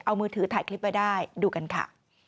เอามือถือถ่ายคลิปไว้ได้ดูกันค่ะ